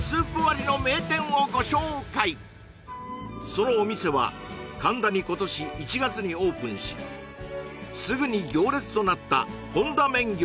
そのお店は神田に今年１月にオープンしすぐに行列となった本田麺業